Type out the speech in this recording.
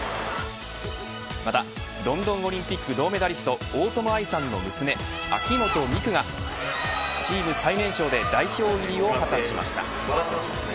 またロンドンオリンピック銅メダリスト大友愛さんの娘、秋元美空がチーム最年少で代表入りを果たしました。